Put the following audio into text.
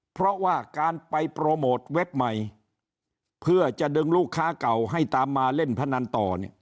เพราะว่าการไปโปรโมทเว็บใหม่เพื่อจะดึงลูกค้าเก่าให้ตามมาเล่นพนันต่อเนี่ย